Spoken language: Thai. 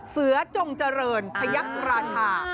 เสือจงเจริญพยักษ์ราชา